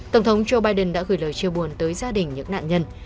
tổng thống joe biden đã gửi lời chia buồn tới gia đình những nạn nhân